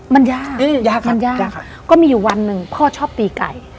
มันยากยากมันยากยากก็มีอยู่วันหนึ่งพ่อชอบตีไก่